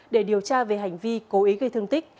để điều tra về hành vi cố ý gây thương tích